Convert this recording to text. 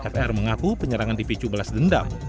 fr mengaku penyerangan dipicu balas denda